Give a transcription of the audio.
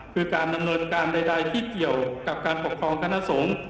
คือการดำเนินการใดที่เกี่ยวกับการปกครองคณะสงฆ์